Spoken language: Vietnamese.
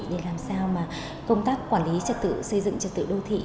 để làm sao mà công tác quản lý trật tự xây dựng trật tự đô thị